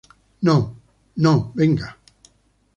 no. no, venga.